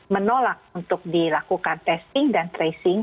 menolak untuk dilakukan testing dan tracing